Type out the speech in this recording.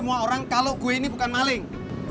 semua orang kalau gue ini bukan maling